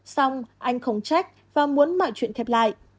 xong anh không trách và muốn mọi chuyện khép lại